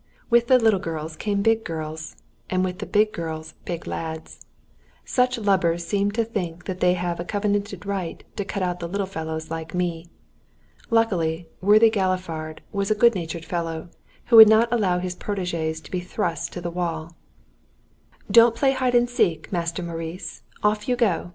With the little girls came big girls, and with the big girls big lads. Such lubbers seem to think that they have a covenanted right to cut out little fellows like me. Luckily, worthy Galifard was a good natured fellow, who would not allow his protégés to be thrust to the wall. "Nix cache cache spielen, Monsieur Maurice. Allons!